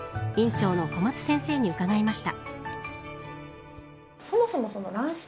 院長の小松先生に伺いました。